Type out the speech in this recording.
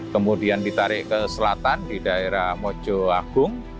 kemudian ditarik ke selatan di daerah mojo agung